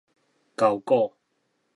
鉤股